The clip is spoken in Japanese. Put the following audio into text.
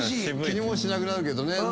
気にもしなくなるけどね。